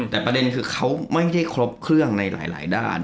แต่ประเด็นคือเขาไม่ได้ครบเครื่องในหลายด้าน